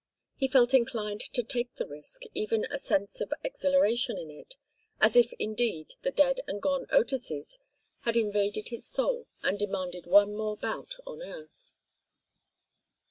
He felt inclined to take the risk, even a sense of exhilaration in it, as if indeed the dead and gone Otises had invaded his soul and demanded one more bout on earth.